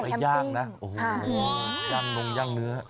แต่ไม่ยากนะจังลงยั่งเนื้อ